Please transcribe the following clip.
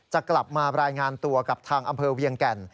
จะกลับมารายงานตัวกับทางอำเภอเวียงแก่น